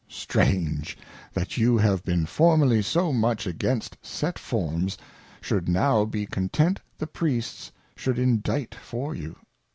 Strange! that you who have been formerly so much against Set Forms, should now be con tent the Priests should Indite for you.